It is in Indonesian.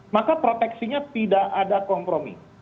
maka proteksinya tidak ada kompromi